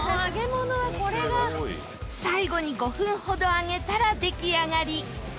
最後に５分ほど揚げたら出来上がり。